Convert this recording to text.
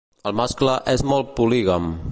El mascle és molt polígam.